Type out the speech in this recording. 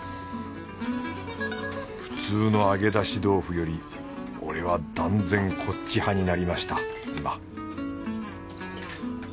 普通の揚げだし豆腐より俺は断然こっち派になりました今